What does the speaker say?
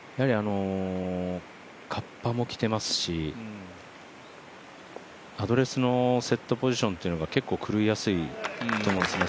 カッパも着ていますしアドレスのセットポジションって結構狂いやすいと思いますね。